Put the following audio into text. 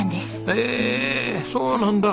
へえそうなんだ。